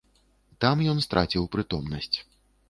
Там ён страціў прытомнасць.